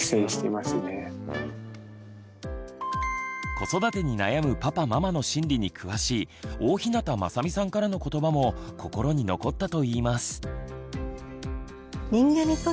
子育てに悩むパパママの心理に詳しい大日向雅美さんからのことばも心に残ったといいます。